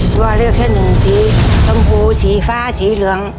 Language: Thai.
ตัวเลือกแค่หนึ่งสีชมพูสีฟ้าสีเหลือง